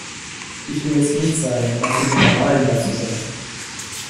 Ich will jetzt nicht sagen, was die Liberalen dazu sagen.